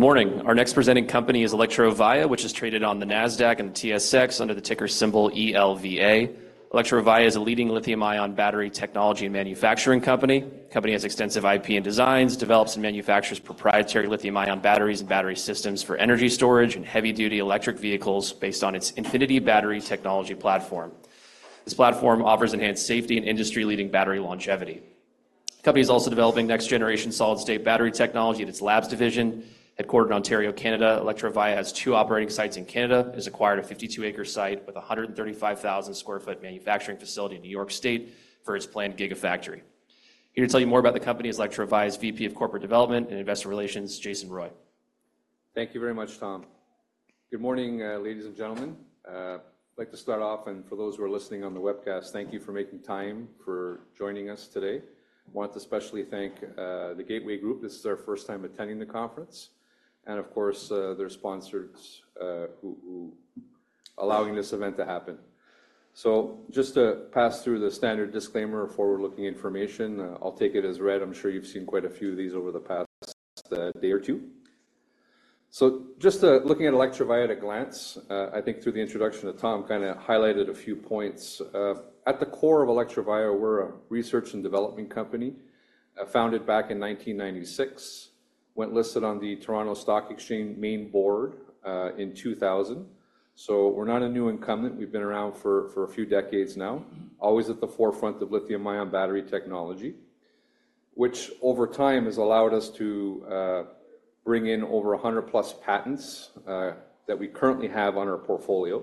Good morning! Our next presenting company is Electrovaya, which is traded on the NASDAQ and the TSX under the ticker symbol ELVA. Electrovaya is a leading lithium-ion battery technology and manufacturing company. The company has extensive IP and designs, develops and manufactures proprietary lithium-ion batteries and battery systems for energy storage and heavy-duty electric vehicles based on its Infinity Battery technology platform. This platform offers enhanced safety and industry-leading battery longevity. The company is also developing next-generation solid-state battery technology at its labs division, headquartered in Ontario, Canada. Electrovaya has two operating sites in Canada, has acquired a 52-acre site with a 135,000 sq ft manufacturing facility in New York State for its planned Gigafactory. Here to tell you more about the company is Electrovaya's VP of Corporate Development and Investor Relations, Jason Roy. Thank you very much, Tom. Good morning, ladies and gentlemen. I'd like to start off, and for those who are listening on the webcast, thank you for making time for joining us today. I want to especially thank the Gateway Group. This is our first time attending the conference, and of course, their sponsors who allowing this event to happen. So just to pass through the standard disclaimer of forward-looking information, I'll take it as read. I'm sure you've seen quite a few of these over the past day or two. So just looking at Electrovaya at a glance, I think through the introduction of Tom, kinda highlighted a few points. At the core of Electrovaya, we're a research and development company, founded back in 1996. Went listed on the Toronto Stock Exchange main board in 2000. So we're not a new incumbent. We've been around for a few decades now, always at the forefront of lithium-ion battery technology, which over time has allowed us to bring in over 100-plus patents that we currently have on our portfolio.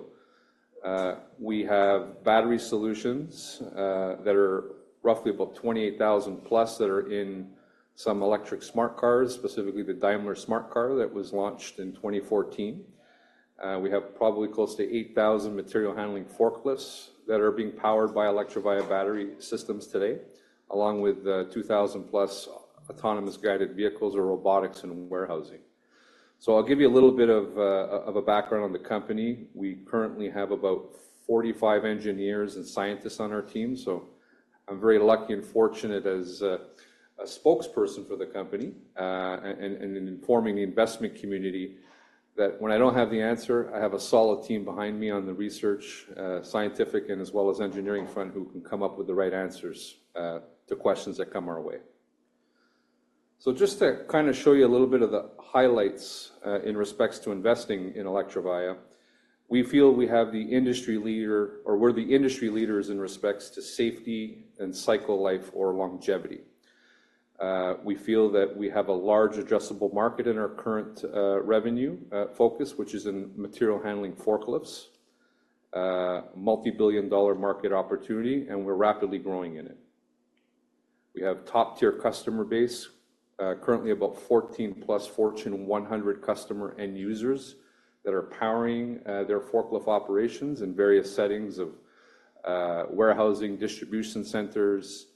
We have battery solutions that are roughly about 28,000+ that are in some electric Smart cars, specifically the Daimler Smart car that was launched in 2014. We have probably close to 8,000 material handling forklifts that are being powered by Electrovaya battery systems today, along with 2,000+ autonomous guided vehicles or robotics in warehousing. So I'll give you a little bit of a background on the company. We currently have about 45 engineers and scientists on our team, so I'm very lucky and fortunate as a spokesperson for the company, and in informing the investment community that when I don't have the answer, I have a solid team behind me on the research, scientific, and as well as engineering front, who can come up with the right answers to questions that come our way. Just to kind of show you a little bit of the highlights in respects to investing in Electrovaya, we feel we're the industry leaders in respects to safety and cycle life or longevity. We feel that we have a large addressable market in our current revenue focus, which is in material handling forklifts, multi-billion-dollar market opportunity, and we're rapidly growing in it. We have top-tier customer base, currently about 14+ Fortune 100 customer end users that are powering, their forklift operations in various settings of, warehousing, distribution centers,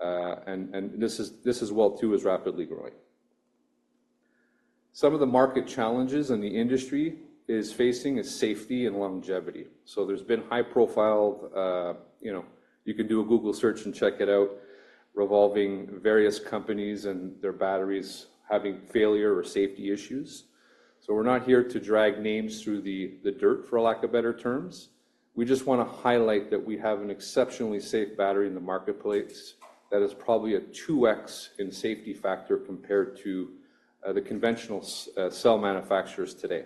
and this, as well, too, is rapidly growing. Some of the market challenges in the industry is facing is safety and longevity. So there's been high profile, you know, you can do a Google search and check it out, involving various companies and their batteries having failure or safety issues. So we're not here to drag names through the, the dirt, for lack of better terms. We just wanna highlight that we have an exceptionally safe battery in the marketplace that is probably a 2X in safety factor compared to, the conventional 18650 cell manufacturers today.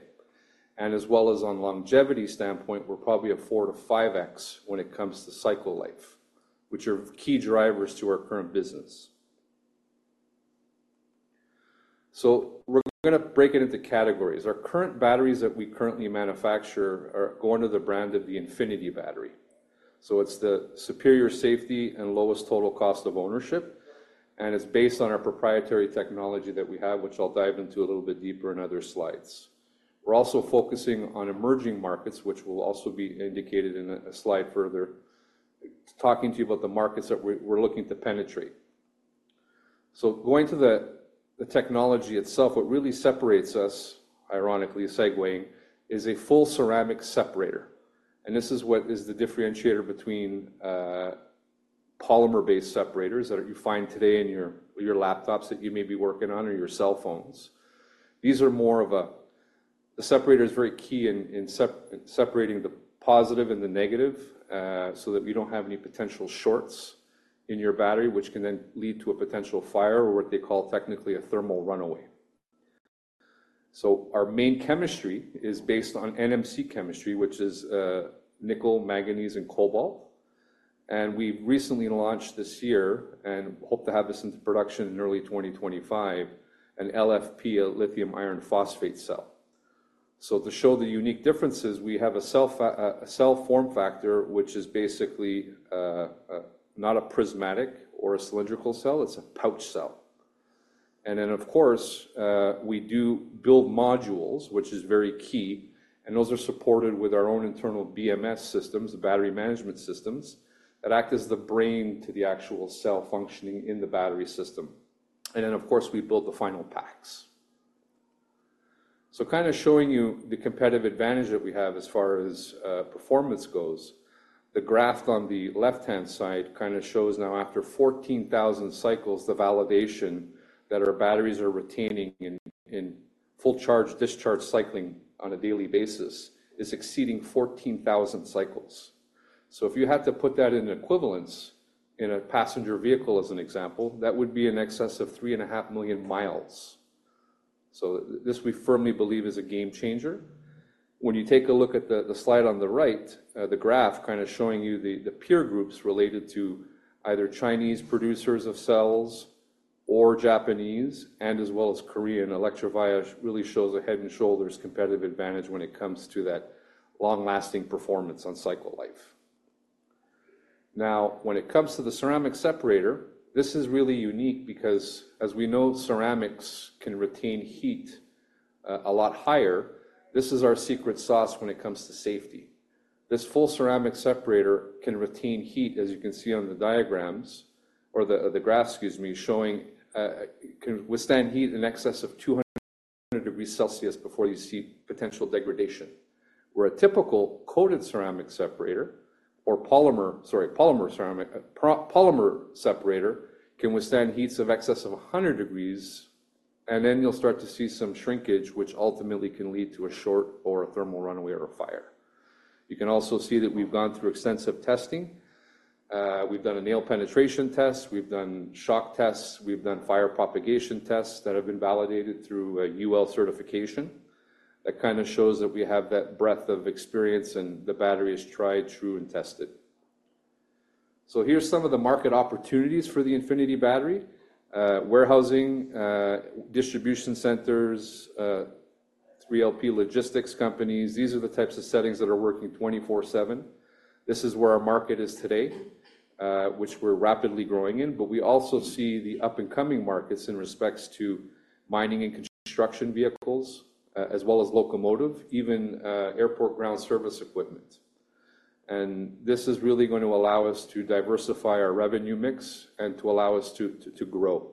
As well as on longevity standpoint, we're probably a four to five X when it comes to cycle life, which are key drivers to our current business. So we're gonna break it into categories. Our current batteries that we currently manufacture are go under the brand of the Infinity Battery, so it's the superior safety and lowest total cost of ownership, and it's based on our proprietary technology that we have, which I'll dive into a little bit deeper in other slides. We're also focusing on emerging markets, which will also be indicated in a slide further, talking to you about the markets that we're looking to penetrate. Going to the technology itself, what really separates us, ironically, segueing, is a full ceramic separator, and this is what is the differentiator between polymer-based separators that you find today in your laptops that you may be working on or your cell phones. These are more of a... The separator is very key in separating the positive and the negative, so that we don't have any potential shorts in your battery, which can then lead to a potential fire or what they call technically a thermal runaway. Our main chemistry is based on NMC chemistry, which is nickel, manganese, and cobalt. And we recently launched this year, and hope to have this into production in early 2025, an LFP, a lithium iron phosphate cell. So to show the unique differences, we have a cell form factor, which is basically, not a prismatic or a cylindrical cell, it's a pouch cell. And then, of course, we do build modules, which is very key, and those are supported with our own internal BMS systems, the battery management systems, that act as the brain to the actual cell functioning in the battery system. And then, of course, we build the final packs. So kind of showing you the competitive advantage that we have as far as, performance goes. The graph on the left-hand side kind of shows now after 14,000 cycles, the validation that our batteries are retaining in full charge, discharge cycling on a daily basis is exceeding 14,000 cycles. So if you had to put that in equivalence in a passenger vehicle, as an example, that would be in excess of three and a half million miles. So this, we firmly believe, is a game changer. When you take a look at the slide on the right, the graph kind of showing you the peer groups related to either Chinese producers of cells or Japanese, and as well as Korean, Electrovaya really shows a head and shoulders competitive advantage when it comes to that long-lasting performance on cycle life. Now, when it comes to the ceramic separator, this is really unique because, as we know, ceramics can retain heat a lot higher. This is our secret sauce when it comes to safety. This full ceramic separator can retain heat, as you can see on the diagrams or the graph showing can withstand heat in excess of 200 degrees Celsius before you see potential degradation. Where a typical coated ceramic separator or polymer separator can withstand heat in excess of a 100 degrees, and then you'll start to see some shrinkage, which ultimately can lead to a short or a thermal runaway or a fire. You can also see that we've gone through extensive testing. We've done a nail penetration test, we've done shock tests, we've done fire propagation tests that have been validated through a UL certification. That kind of shows that we have that breadth of experience, and the battery is tried, true, and tested. So here's some of the market opportunities for the Infinity Battery. Warehousing, distribution centers, 3PL logistics companies. These are the types of settings that are working 24/7. This is where our market is today, which we're rapidly growing in, but we also see the up-and-coming markets in respects to mining and construction vehicles, as well as locomotive, even, airport ground service equipment. This is really going to allow us to diversify our revenue mix and to allow us to grow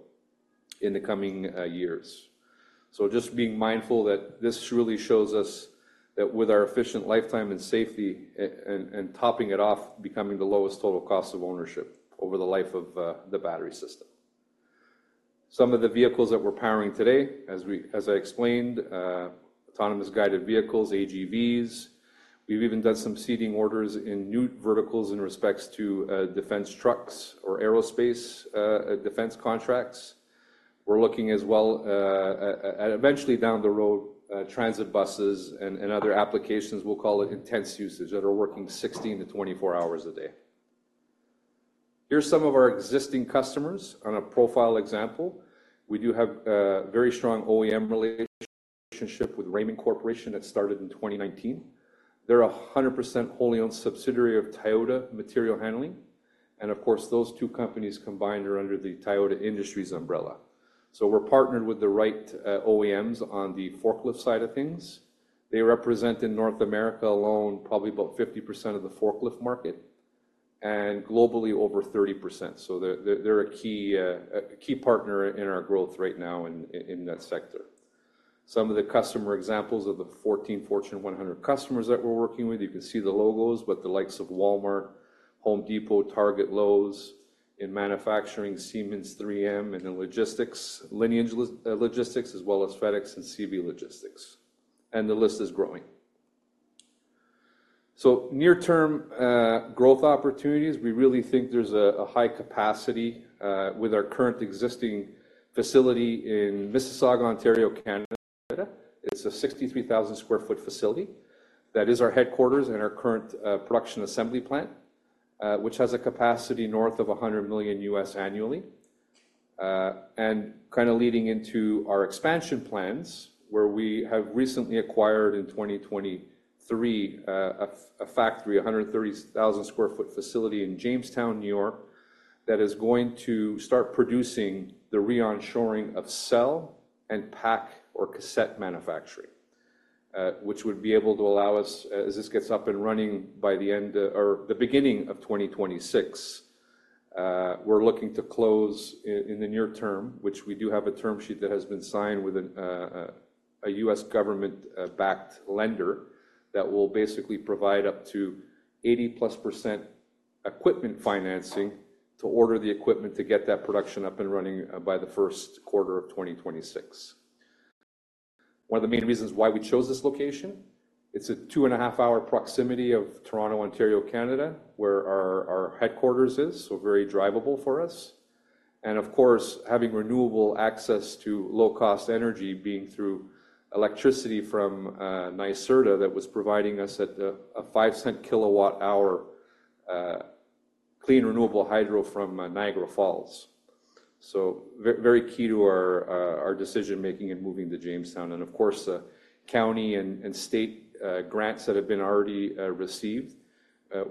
in the coming years. So just being mindful that this really shows us that with our efficient lifetime and safety, and topping it off, becoming the lowest total cost of ownership over the life of the battery system. Some of the vehicles that we're powering today, as I explained, autonomous guided vehicles, AGVs. We've even done some seeding orders in new verticals in respects to, defense trucks or aerospace, defense contracts. We're looking as well, at, at eventually down the road, transit buses and other applications, we'll call it intense usage, that are working sixteen to 24 hours a day. Here's some of our existing customers on a profile example. We do have a very strong OEM relationship with Raymond Corporation that started in 2019. They're a 100% wholly owned subsidiary of Toyota Material Handling, and of course, those two companies combined are under the Toyota Industries umbrella. So we're partnered with the right, OEMs on the forklift side of things. They represent, in North America alone, probably about 50% of the forklift market, and globally, over 30%. They're a key partner in our growth right now in that sector. Some of the customer examples of the 14 Fortune 100 customers that we're working with, you can see the logos, but the likes of Walmart, Home Depot, Target, Lowe's, in manufacturing, Siemens, 3M, and in logistics, Lineage Logistics, as well as FedEx and CJ Logistics, and the list is growing. Near-term growth opportunities, we really think there's a high capacity with our current existing facility in Mississauga, Ontario, Canada. It's a 63,000 sq ft facility. That is our headquarters and our current production assembly plant, which has a capacity north of $100 million annually. And kind of leading into our expansion plans, where we have recently acquired, in 2023, a factory, 130,000 sq ft facility in Jamestown, New York, that is going to start producing the re-onshoring of cell and pack or cassette manufacturing, which would be able to allow us, as this gets up and running by the end, or the beginning of 2026, we're looking to close in the near term, which we do have a term sheet that has been signed with a U.S. government backed lender that will basically provide up to 80%+ equipment financing to order the equipment to get that production up and running, by the first quarter of 2026. One of the main reasons why we chose this location, it's a two-and-a-half-hour proximity of Toronto, Ontario, Canada, where our headquarters is, so very drivable for us, and of course, having renewable access to low-cost energy being through electricity from NYSERDA that was providing us at $0.05 per kWh, clean, renewable hydro from Niagara Falls, so very key to our decision making and moving to Jamestown, and of course, the county and state grants that have been already received.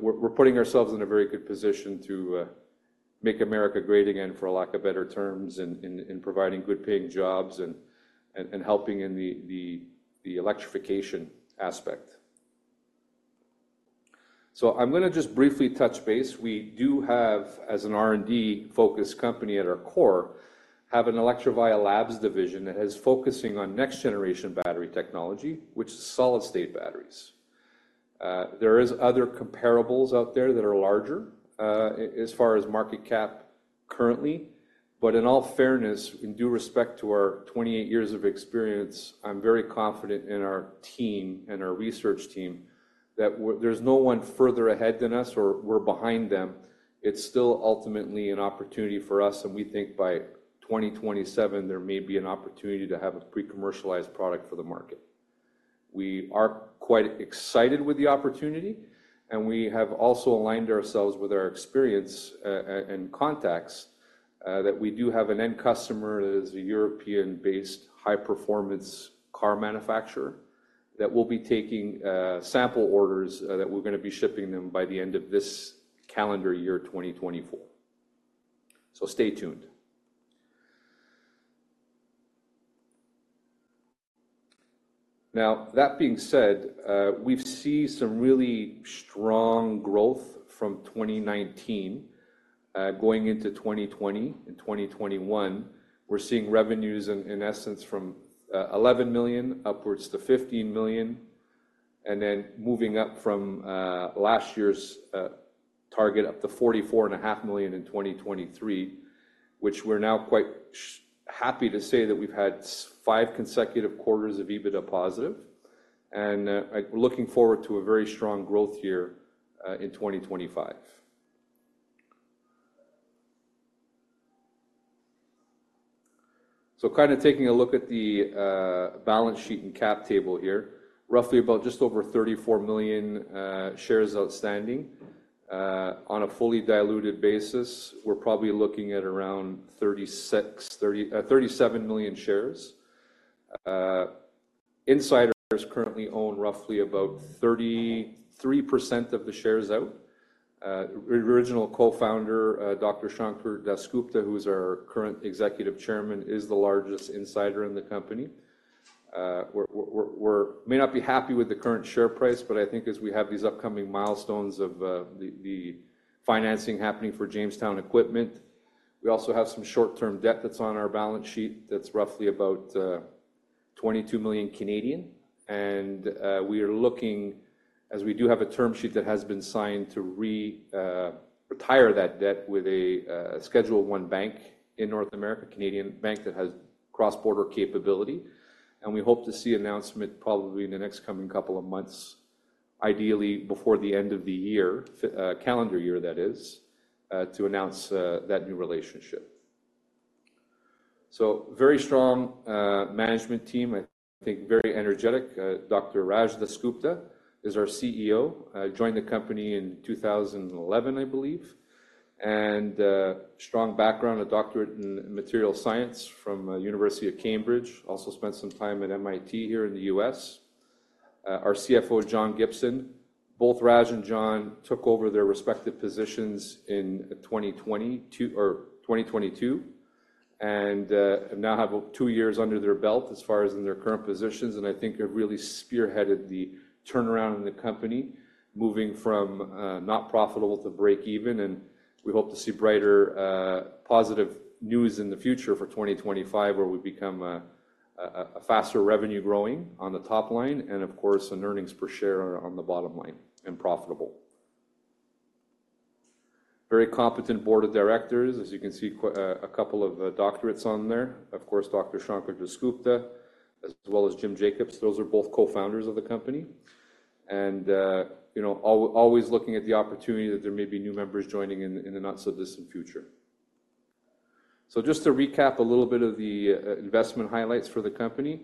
We're putting ourselves in a very good position to make America great again, for a lack of better terms, in providing good-paying jobs and helping in the electrification aspect, so I'm gonna just briefly touch base. We do have, as an R&D-focused company at our core, have an Electrovaya Labs division that is focusing on next-generation battery technology, which is solid-state batteries. There is other comparables out there that are larger, as far as market cap currently. But in all fairness, in due respect to our 28 years of experience, I'm very confident in our team and our research team, that there's no one further ahead than us or we're behind them. It's still ultimately an opportunity for us, and we think by 2027, there may be an opportunity to have a pre-commercialized product for the market. We are quite excited with the opportunity, and we have also aligned ourselves with our experience, and contacts, that we do have an end customer that is a European-based high-performance car manufacturer, that will be taking, sample orders, that we're gonna be shipping them by the end of this calendar year,2024. So stay tuned. Now, that being said, we've seen some really strong growth from 2019, going into 2020 and 2021. We're seeing revenues in essence from $11 million-$15 million, and then moving up from last year's target up to $44.5 million in 2023, which we're now quite happy to say that we've had five consecutive quarters of EBITDA positive, and we're looking forward to a very strong growth year in 2025. So kind of taking a look at the balance sheet and cap table here, roughly about just over 34 million shares outstanding. On a fully diluted basis, we're probably looking at around 36, 30, 37 million shares. Insiders currently own roughly about 33% of the shares out. The original co-founder, Dr. Sankar Das Gupta, who is our current Executive Chairman, is the largest insider in the company. We may not be happy with the current share price, but I think as we have these upcoming milestones of the financing happening for Jamestown Equipment, we also have some short-term debt that's on our balance sheet that's roughly about 22 million, and we are looking, as we do have a term sheet that has been signed, to retire that debt with a Schedule I bank in North America, Canadian bank that has cross-border capability, and we hope to see announcement probably in the next coming couple of months, ideally before the end of the year, calendar year, that is, to announce that new relationship. So very strong management team, I think, very energetic. Dr. Raj Das Gupta is our CEO, joined the company in 2011, I believe. Strong background, a doctorate in material science from University of Cambridge. Also spent some time at MIT here in the U.S. Our CFO, John Gibson. Both Raj and John took over their respective positions in 2022, and now have two years under their belt as far as in their current positions, and I think have really spearheaded the turnaround in the company, moving from not profitable to break even, and we hope to see brighter positive news in the future for 2025, where we become a faster revenue growing on the top line, and of course, an earnings per share on the bottom line and profitable. Very competent board of directors, as you can see, a couple of doctorates on there. Of course, Dr. Sankar Das Gupta, as well as Jim Jacobs. Those are both co-founders of the company, and, you know, always looking at the opportunity that there may be new members joining in, in the not-so-distant future. So just to recap a little bit of the investment highlights for the company,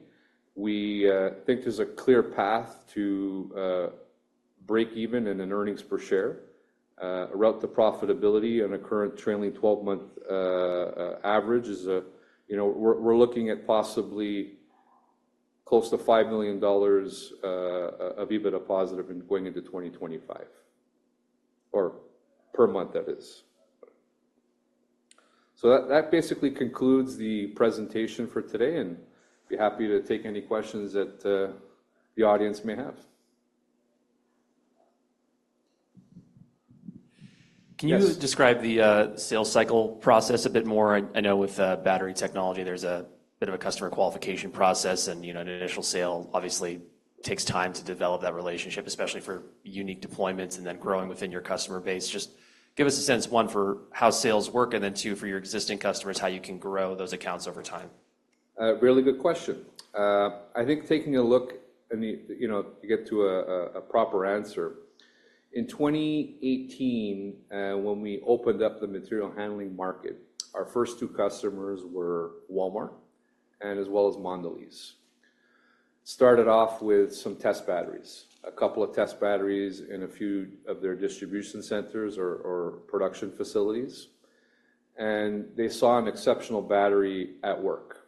we think there's a clear path to break even and in earnings per share route to profitability on a current trailing 12 month average is a... You know, we're looking at possibly close to $5 million of EBITDA positive in going into 2025, or per month, that is. So that basically concludes the presentation for today, and be happy to take any questions that the audience may have. Yes. Can you describe the sales cycle process a bit more? I know with battery technology, there's a bit of a customer qualification process, and, you know, an initial sale obviously takes time to develop that relationship, especially for unique deployments and then growing within your customer base. Just give us a sense, one, for how sales work, and then two, for your existing customers, how you can grow those accounts over time. A really good question. I think taking a look, I mean, you know, to get to a proper answer, in 2018, when we opened up the material handling market, our first two customers were Walmart and as well as Mondelez. Started off with some test batteries, a couple of test batteries in a few of their distribution centers or production facilities, and they saw an exceptional battery at work,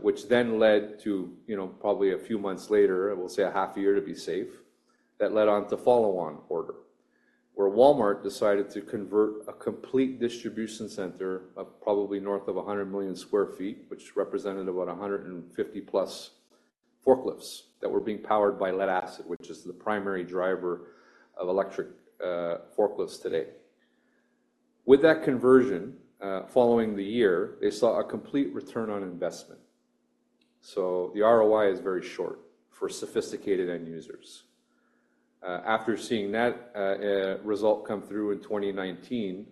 which then led to, you know, probably a few months later, we'll say a half a year to be safe, that led on to follow-on order, where Walmart decided to convert a complete distribution center of probably north of 100 million sq ft, which represented about 150+ forklifts that were being powered by lead-acid, which is the primary driver of electric forklifts today. With that conversion, following the year, they saw a complete return on investment, so the ROI is very short for sophisticated end users. After seeing that result come through in twenty nineteen,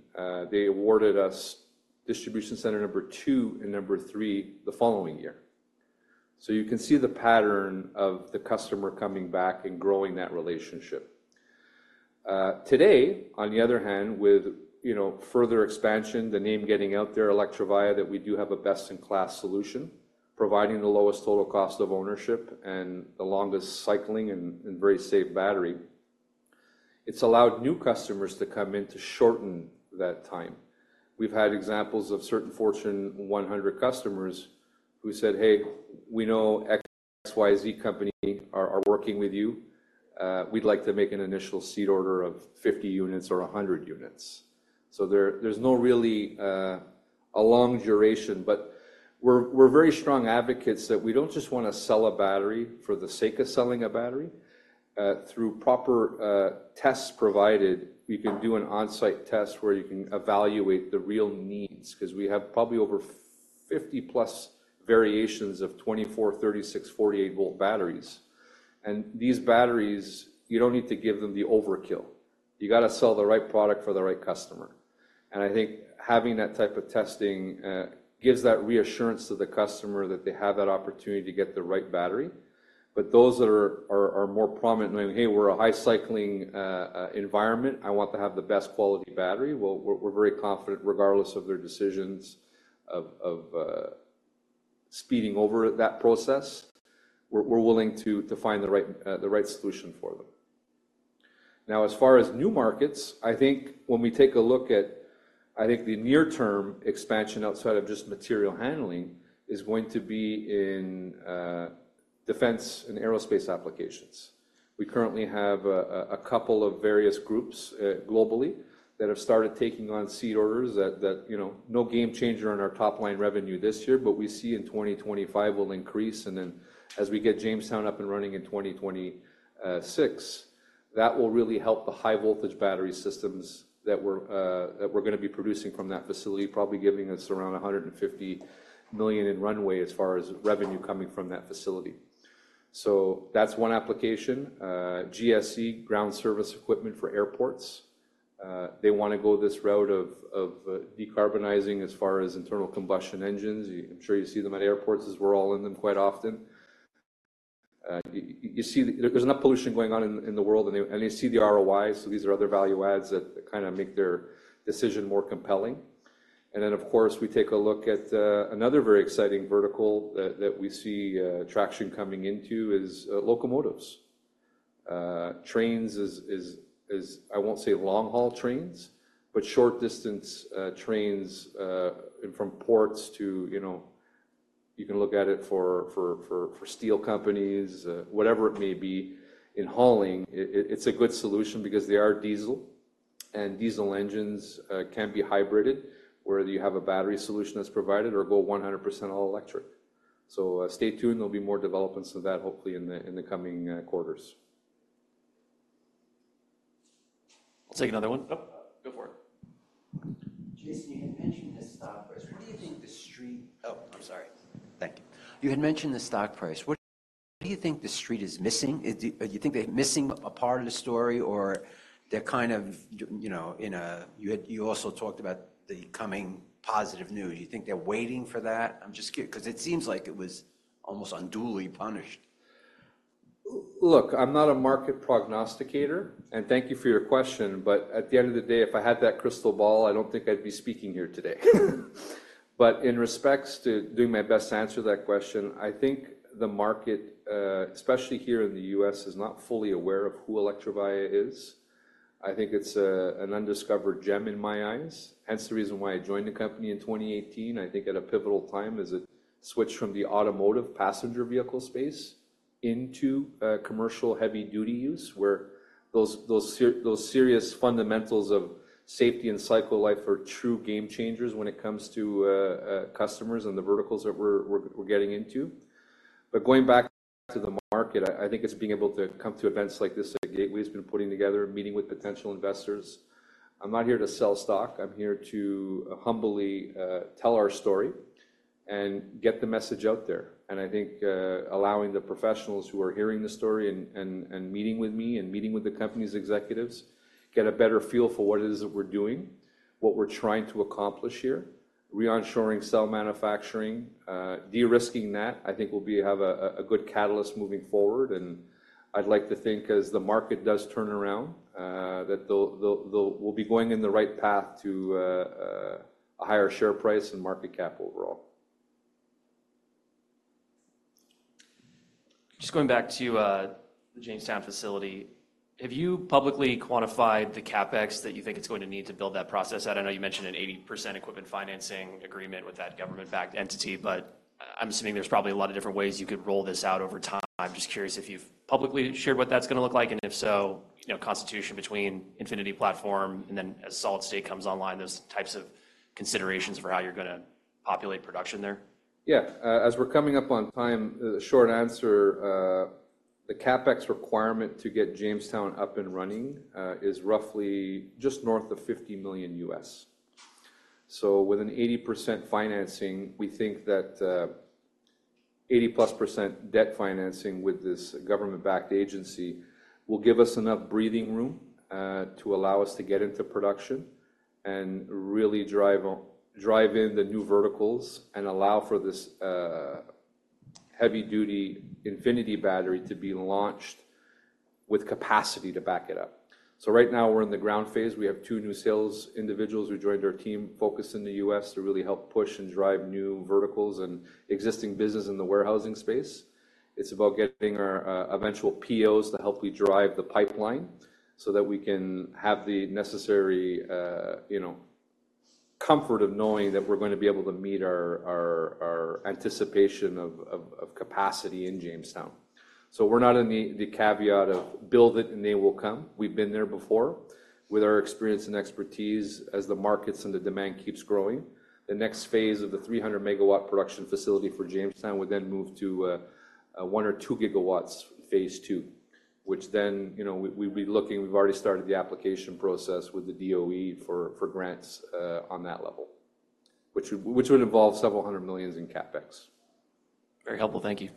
they awarded us distribution center number 2 and number 3 the following year, so you can see the pattern of the customer coming back and growing that relationship. Today, on the other hand, with, you know, further expansion, the name getting out there, Electrovaya, that we do have a best-in-class solution, providing the lowest total cost of ownership and the longest cycling and very safe battery. It's allowed new customers to come in to shorten that time. We've had examples of certain Fortune 100 customers who said, "Hey, we know X, Y, Z company are working with you. We'd like to make an initial seed order of fifty units or a hundred units." So there, there's no really a long duration, but we're very strong advocates that we don't just want to sell a battery for the sake of selling a battery. Through proper tests provided, we can do an on-site test where you can evaluate the real needs, 'cause we have probably over 50+ variations of 24, 36, 48 volt batteries. And these batteries, you don't need to give them the overkill. You got to sell the right product for the right customer. And I think having that type of testing gives that reassurance to the customer that they have that opportunity to get the right battery. But those that are more prominent, "Hey, we're a high cycling environment. I want to have the best quality battery", well, we're very confident, regardless of their decisions of speeding over that process, we're willing to find the right solution for them. Now, as far as new markets, I think when we take a look at. I think the near-term expansion outside of just material handling is going to be in defense and aerospace applications. We currently have a couple of various groups globally that have started taking on seed orders that, you know, no game changer on our top line revenue this year, but we see in 2025 will increase. And then as we get Jamestown up and running in 2026, that will really help the high-voltage battery systems that we're gonna be producing from that facility, probably giving us around 150 million in runway as far as revenue coming from that facility. So that's one application. GSE, ground service equipment for airports. They wanna go this route of decarbonizing as far as internal combustion engines. I'm sure you see them at airports, as we're all in them quite often. You see, there's enough pollution going on in the world, and they see the ROI, so these are other value adds that kind of make their decision more compelling. And then, of course, we take a look at another very exciting vertical that we see traction coming into: locomotives, trains. I won't say long-haul trains, but short-distance trains from ports to, you know. You can look at it for steel companies, whatever it may be, in hauling. It is a good solution because they are diesel, and diesel engines can be hybridized, whether you have a battery solution that's provided or go 100% all electric. So, stay tuned. There'll be more developments to that, hopefully, in the coming quarters. Take another one. Oh, go for it. Jason, you had mentioned the stock price. What do you think the street. Oh, I'm sorry. Thank you. You had mentioned the stock price. What do you think the street is missing? Do you think they're missing a part of the story, or they're kind of, you know, in a. You also talked about the coming positive news. Do you think they're waiting for that? I'm just curious 'cause it seems like it was almost unduly punished. Look, I'm not a market prognosticator, and thank you for your question, but at the end of the day, if I had that crystal ball, I don't think I'd be speaking here today. But in respects to doing my best to answer that question, I think the market, especially here in the U.S., is not fully aware of who Electrovaya is. I think it's an undiscovered gem in my eyes, hence the reason why I joined the company in 2018, I think at a pivotal time, as it switched from the automotive passenger vehicle space into commercial heavy duty use, where those serious fundamentals of safety and cycle life are true game changers when it comes to customers and the verticals that we're getting into. But going back to the market, I think it's being able to come to events like this that Gateway's been putting together, meeting with potential investors. I'm not here to sell stock. I'm here to humbly tell our story and get the message out there. And I think allowing the professionals who are hearing the story and meeting with me and meeting with the company's executives get a better feel for what it is that we're doing, what we're trying to accomplish here. Re-onshoring cell manufacturing, de-risking that, I think will have a good catalyst moving forward. And I'd like to think, as the market does turn around, that we'll be going in the right path to a higher share price and market cap overall. Just going back to the Jamestown facility, have you publicly quantified the CapEx that you think it's going to need to build that process out? I know you mentioned an 80% equipment financing agreement with that government-backed entity, but I'm assuming there's probably a lot of different ways you could roll this out over time. Just curious if you've publicly shared what that's gonna look like, and if so, you know, constellation between Infinity platform, and then as solid-state comes online, those types of considerations for how you're gonna populate production there. Yeah. As we're coming up on time, the short answer, the CapEx requirement to get Jamestown up and running, is roughly just north of $50 million. So with an 80% financing, we think that, 80%+ debt financing with this government-backed agency will give us enough breathing room, to allow us to get into production and really drive in the new verticals and allow for this, heavy-duty Infinity Battery to be launched with capacity to back it up. So right now, we're in the ground phase. We have two new sales individuals who joined our team, focused in the U.S., to really help push and drive new verticals and existing business in the warehousing space. It's about getting our eventual POs to help me drive the pipeline so that we can have the necessary, you know, comfort of knowing that we're gonna be able to meet our anticipation of capacity in Jamestown. So we're not in the caveat of, "Build it, and they will come." We've been there before. With our experience and expertise, as the markets and the demand keeps growing, the next phase of the three hundred megawatt production facility for Jamestown would then move to one or two gigawatts, phase two, which then, you know, we'd be looking... We've already started the application process with the DOE for grants on that level, which would involve several hundred millions in CapEx. Very helpful. Thank you.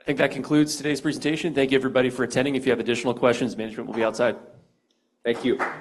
I think that concludes today's presentation. Thank you, everybody, for attending. If you have additional questions, management will be outside. Thank you.